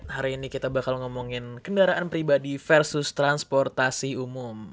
hari ini kita bakal ngomongin kendaraan pribadi versus transportasi umum